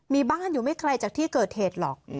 มีบ้านอยู่ไม่ไกลจากที่เกิดเหตุหรอก